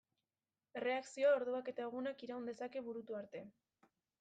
Erreakzioa orduak edo egunak iraun dezake burutu arte.